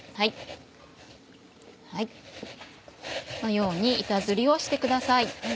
このように板ずりをしてください。